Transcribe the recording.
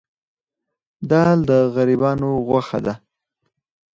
دال د غریبانو غوښه ده.